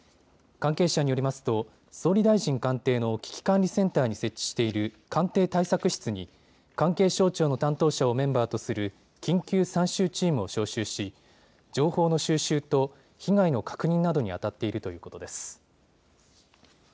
関係者によりますと総理大臣官邸の危機管理センターに設置している官邸対策室に関係省庁の担当者をメンバーとする緊急参集チームを招集し情報の収集と被害の確認などにあたっているということです。